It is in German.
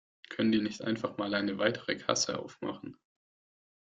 Können die nicht einfach mal eine weitere Kasse aufmachen?